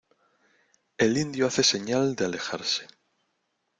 el indio hace señal de alejarse: